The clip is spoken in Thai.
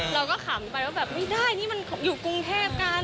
เราก็ขำไปว่าแบบไม่ได้นี่มันอยู่กรุงเทพกัน